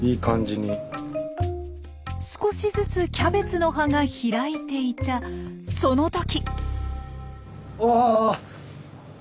少しずつキャベツの葉が開いていたその時！